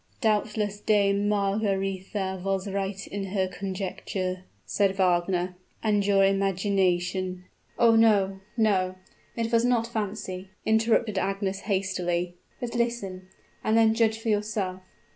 "Doubtless Dame Margaretha was right in her conjecture," said Wagner; "and your imagination " "Oh, no no! It was not fancy!" interrupted Agnes, hastily. "But listen, and then judge for yourself.